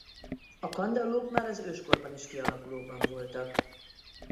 A kandallók már az őskorban is kialakulóban voltak.